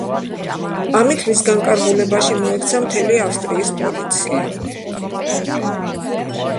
ამით მის განკარგულებაში მოექცა მთელი ავსტრიის პოლიცია.